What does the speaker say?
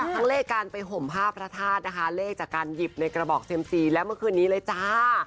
เลขการไปห่มผ้าพระธาตุนะคะเลขจากการหยิบในกระบอกเซ็มซีและเมื่อคืนนี้เลยจ้า